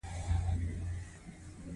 یو څلویښتم سوال د رهبرۍ په اړه دی.